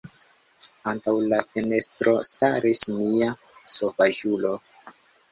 Antaŭ la fenestro staris mia sovaĝulo.